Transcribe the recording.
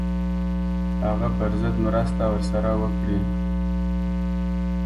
هغه پر ضد مرسته ورسره وکړي.